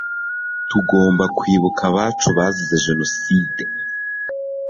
tugomba kwibuka abacu bazize jenoside